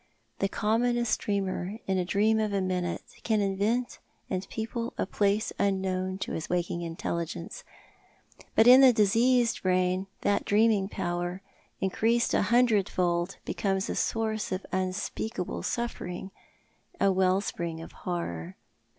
The commonest dreamer in a dream of a minute can invent and people a place unknown to his waking intelligence— but in the diseased brain that dreaming power, increased a hundred fold, becomes a source of unspeakable suffering, a well spring of horror.